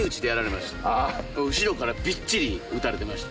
後ろからびっちり撃たれました。